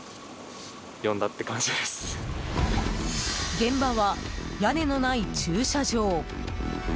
現場は、屋根のない駐車場。